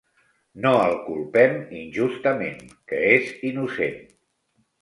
No el culpem injustament, que és innocent.